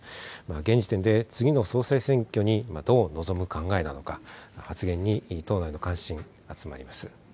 現時点で、次の総選挙にどう臨む考えなのか、発言に党内の関心、集まります。